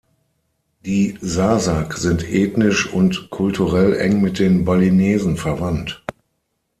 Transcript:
Die Sasak sind ethnisch und kulturell eng mit den Balinesen verwandt.